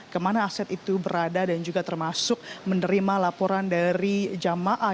kemana aset itu berada dan juga termasuk menerima laporan dari jamaah